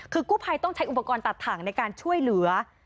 คือกู้ภัยต้องใช้อุปกรณ์ตัดถังในการช่วยเหลือ